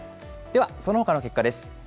ではそのほかの結果です。